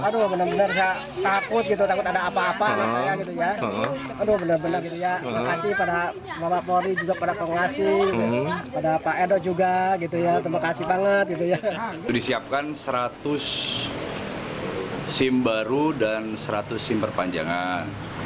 restu mencari sim baru dan seratus sim perpanjangan